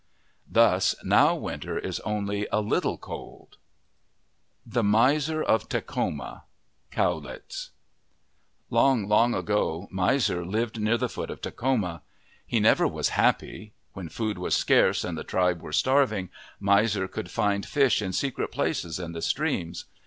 Thus now winter is only a little cold. 73 MYTHS AND LEGENDS THE MISER OF TAKHOMA Cowlitz ENG, long ago, Miser lived near the foot of Takhoma. He never was happy. When food was scarce and the tribe were starving, Miser could find fish in secret places in the streams.